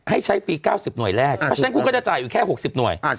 ให้ใช้ฟรี๙๐หน่วยแรกเพราะฉะนั้นคุณก็จะจ่ายอยู่แค่๖๐หน่วย